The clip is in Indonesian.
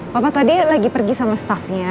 bapak tadi lagi pergi sama staffnya